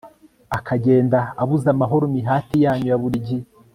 akagenda abuza amahoro imihati yanyu ya buri gihe